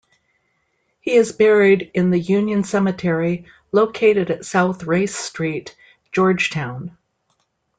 He is buried in the Union Cemetery, located at South Race Street, Georgetown.